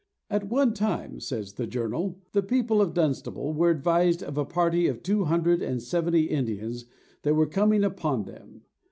"At one time," says the journal, "the people of Dunstable were advised of a party of two hundred and seventy Indians that were coming upon them.